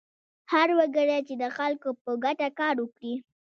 هر وګړی چې د خلکو په ګټه کار وکړي.